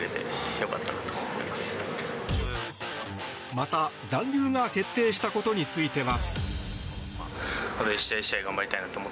また、残留が決定したことについては。